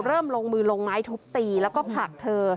ลงมือลงไม้ทุบตีแล้วก็ผลักเธอ